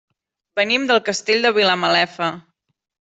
Venim del Castell de Vilamalefa.